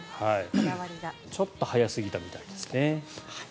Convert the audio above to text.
ちょっと早すぎたみたいですね。